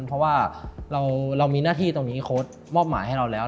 เพราะว่าเรามีหน้าที่ตรงนี้โค้ดมอบหมายให้เราแล้ว